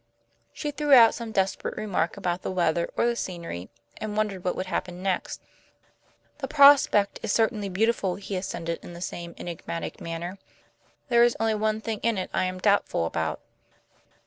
She threw out some desperate remark about the weather or the scenery, and wondered what would happen next. "The prospect is certainly beautiful," he assented, in the same enigmatic manner. "There is only one thing in it I am doubtful about."